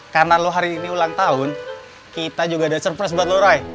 karena lo hari ini ulang tahun kita juga ada surprise buat lo roy